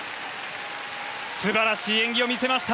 素晴らしい演技を見せました